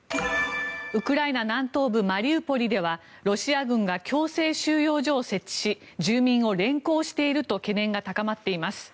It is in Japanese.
ウクライナ南東部マリウポリではロシア軍が強制収容所を設置し住民を連行していると懸念が高まっています。